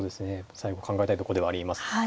最後考えたいとこではあります。